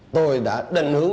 tôi đã đênh hướng